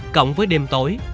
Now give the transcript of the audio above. cộng với đêm tối